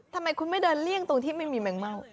ทำไมคุณไม่เดินเลี่ยงตรงที่ไม่มีแมงเม่า